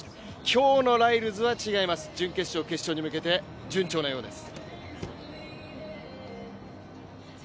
今日のライルズは違います、準決勝、決勝に向けて順調なようです。